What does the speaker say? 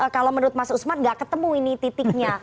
kalau menurut mas usman nggak ketemu ini titiknya